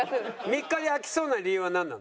３日で飽きそうな理由はなんなの？